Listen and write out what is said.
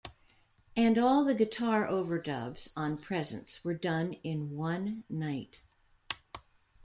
And all the guitar overdubs on "Presence" were done in one night.